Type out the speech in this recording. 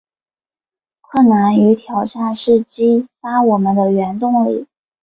困难与挑战是激发我们的原动力